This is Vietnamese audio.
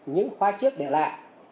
những khoa trước để lại